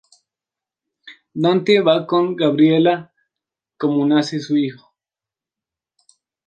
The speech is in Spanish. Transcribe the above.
Dante va a con Gabriella como nace su hijo.